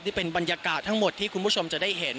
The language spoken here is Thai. นี่เป็นบรรยากาศทั้งหมดที่คุณผู้ชมจะได้เห็น